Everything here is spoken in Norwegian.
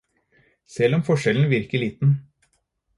Selv om forskjellen virker liten